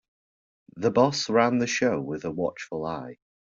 The boss ran the show with a watchful eye.